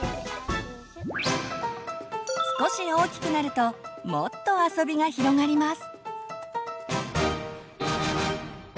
少し大きくなるともっとあそびが広がります！